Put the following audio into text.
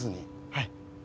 はい。